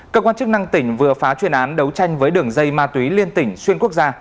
cơ quan chức năng tỉnh vừa phá chuyên án đấu tranh với đường dây ma túy liên tỉnh xuyên quốc gia